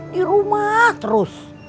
di rumah terus